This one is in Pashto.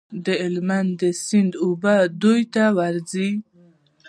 د هلمند سیند اوبه دوی ته ورځي.